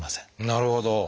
なるほど。